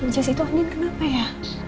jess itu andin kenapa ya